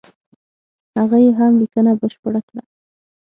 هغه یې هم لیکنه بشپړه کړه.